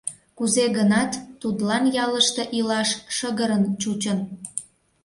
Кузе гынат, тудлан ялыште илаш шыгырын чучын.